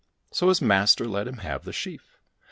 So his master let him have the sheaf.